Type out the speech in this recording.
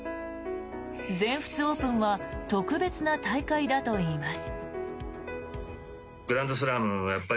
全仏オープンは特別な大会だといいます。